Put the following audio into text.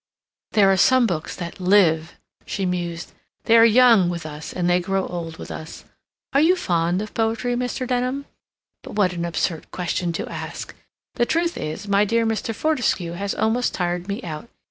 "There are some books that live," she mused. "They are young with us, and they grow old with us. Are you fond of poetry, Mr. Denham? But what an absurd question to ask! The truth is, dear Mr. Fortescue has almost tired me out.